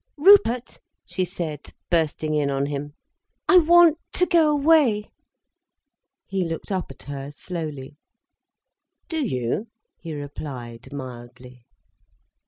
"Rupert," she said, bursting in on him. "I want to go away." He looked up at her slowly. "Do you?" he replied mildly.